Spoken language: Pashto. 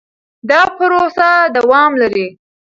دا پروسه دوام لري.